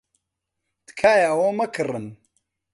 تکایە ئەوە مەکڕن.